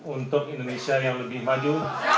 untuk indonesia yang lebih maju